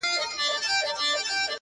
خدایه چي بیا به کله اورو کوچيانۍ سندري٫